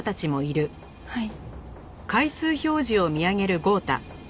はい。